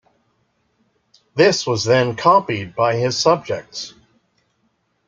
This was then copied by his subjects.